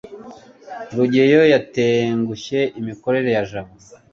rugeyo yatengushye imikorere ya jabo